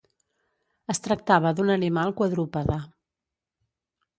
Es tractava d'un animal quadrúpede.